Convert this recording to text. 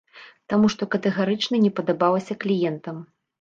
Таму што катэгарычна не падабалася кліентам.